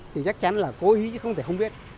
thì chắc chắn là cố ý không thể không biết